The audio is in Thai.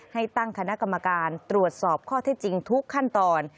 ให้ตั้งคณะกรรมการตรวจสอบข้อที่จริงทุกขั้นตอน